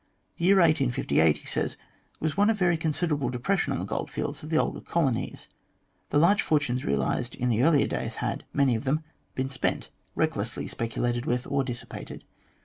The year 1858, he says, was one of very considerable depression on the goldfields of the older colonies. The large fortunes realised in the earlier days had, many of them, been spent, recklessly speculated with, or dissipated.